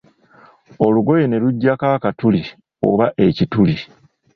Olugoye ne lujjako akatuli oba ekituli.